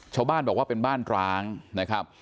ชาวบ้านบอกว่าเป็นบ้านร้างนะครับ